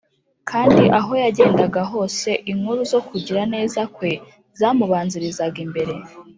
kandi aho yagendaga hose, inkuru zo kugira neza kwe zamubanzirizaga imbere